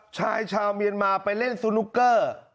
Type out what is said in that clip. ชายชาวเมียนมาไปเล่นสนุกเกอร์